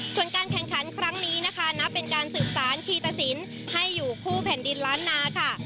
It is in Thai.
ส่วนการแข่งขันครั้งนี้นะคะนับเป็นการสืบสารคีตสินให้อยู่คู่แผ่นดินล้านนาค่ะ